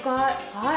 はい。